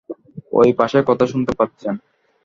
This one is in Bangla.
ওইপাশে কথা শুনতে পাচ্ছেন?